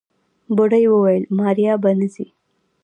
بوډۍ وويل ماريا به نه ځي.